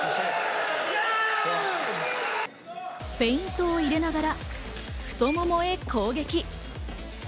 フェイントを入れながら、太ももへ攻撃。